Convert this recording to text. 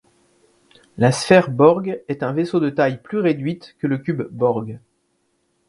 La sphère Borg est un vaisseau de taille plus réduite que le cube borg.